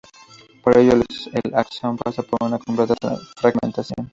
Por ello el axón pasa por una completa fragmentación.